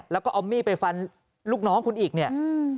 แล้วก็เอามีดไปฟันลูกน้องคุณอีกเนี่ย